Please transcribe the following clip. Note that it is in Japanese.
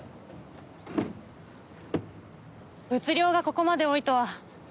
物量がここまで多いとは。